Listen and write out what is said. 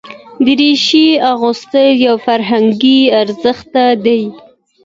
دریشي اغوستل یو فرهنګي ارزښت دی.